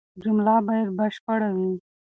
جمله بايد بشپړه وي.